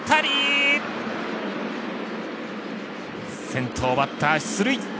先頭バッター出塁。